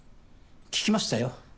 聞きましたよ